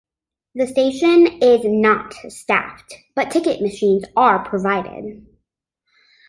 The station is not staffed, but ticket machines are provided.